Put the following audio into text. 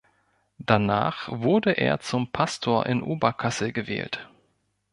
Danach wurde er zum Pastor in Oberkassel gewählt.